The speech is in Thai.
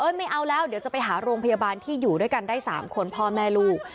ไม่เอาแล้วเดี๋ยวจะไปหาโรงพยาบาลที่อยู่ด้วยกันได้๓คนพ่อแม่ลูก